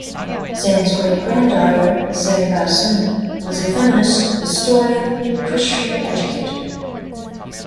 Zeng's great-granddaughter, Zeng Baosun, was a feminist, historian, and Christian educator.